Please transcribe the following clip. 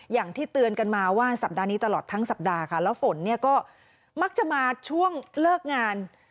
อย่างที่เตือนกันมาว่าสัปดาห์นี้ตลอดทั้งสัปดาห์ค่ะแล้วฝนเนี่ยก็มักจะมาช่วงเลิกงาน